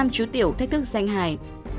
năm chú tiểu thách thức danh hài